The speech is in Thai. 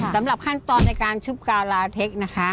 สำหรับขั้นตอนในการชุบกาวลาเทคนะคะ